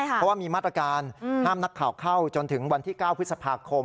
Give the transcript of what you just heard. เพราะว่ามีมาตรการห้ามนักข่าวเข้าจนถึงวันที่๙พฤษภาคม